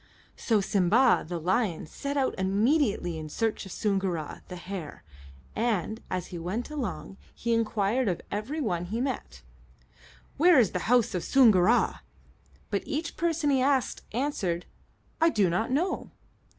So Simba, the lion, set out immediately in search of Soongoora, the hare, and as he went along he inquired of every one he met, "Where is the house of Soongoora?" But each person he asked answered, "I do not know."